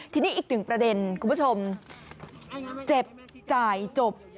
ทีนี้อีกหนึ่งประเด็นคุณผู้ชมเจ็บจ่ายจบ